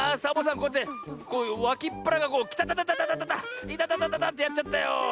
こうやってわきっぱらがこうきたたたたいたたたたってやっちゃったよ。